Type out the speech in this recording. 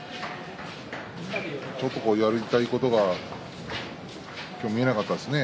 ちょっと、やりたいことが今日、見えなかったですね。